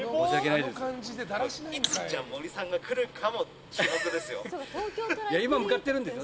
いつ森さんが来るかも注目ですよ。